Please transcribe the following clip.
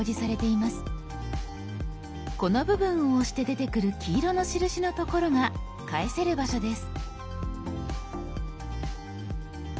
この部分を押して出てくる黄色の印のところが返せる場所です。